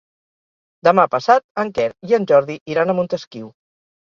Demà passat en Quer i en Jordi iran a Montesquiu.